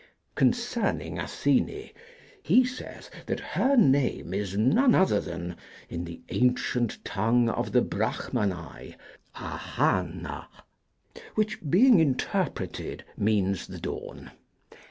Concerning Athene, he saith that her name is none other than, in the ancient tongue of the Brachmanae, Ahana', which, being interpreted, means the Dawn.